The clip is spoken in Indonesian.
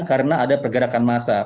karena ada pergerakan massa